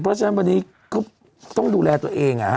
เพราะฉะนั้นวันนี้ก็ต้องดูแลตัวเอง